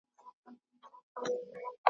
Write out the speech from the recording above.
خمیر دي جوړ دی له شواخونه ,